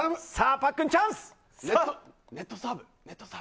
パックン、チャンス。